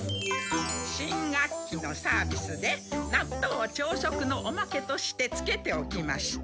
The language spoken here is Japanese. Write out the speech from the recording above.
新学期のサービスでなっとうを朝食のおまけとしてつけておきました。